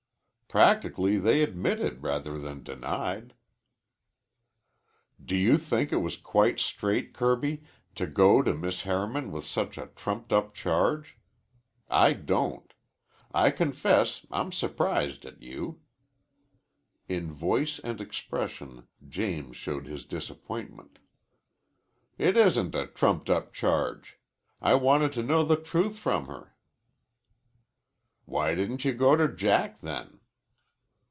"Practically they admitted rather than denied." "Do you think it was quite straight, Kirby, to go to Miss Harriman with such a trumped up charge? I don't. I confess I'm surprised at you." In voice and expression James showed his disappointment. "It isn't a trumped up charge. I wanted to know the truth from her." "Why didn't you go to Jack, then?"'